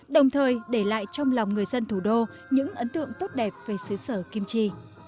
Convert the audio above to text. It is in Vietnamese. đồng thời để lại trong lòng người dân thủ đô những ấn tượng tốt đẹp về xứ sở kim chi